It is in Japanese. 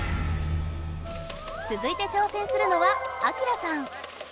つづいて挑戦するのはアキラさん。